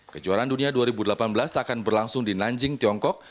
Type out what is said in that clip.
kejuaraan dunia dua ribu delapan belas akan berlangsung di nanjing tiongkok